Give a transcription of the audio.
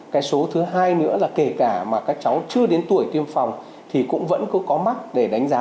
cái số thứ hai nữa là kể cả mà các cháu chưa đến tuổi tiêm phòng thì cũng vẫn cứ có mắc để đánh giá